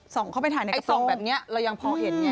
เข้าไปถ่ายในไอส่องแบบนี้เรายังพอเห็นไง